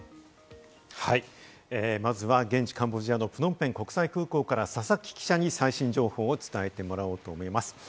まずは現地カンボジアのプノンペン国際空港から佐々木記者に最新情報を伝えてもらおうと思います。